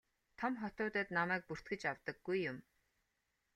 Том хотуудад намайг бүртгэж авдаггүй юм.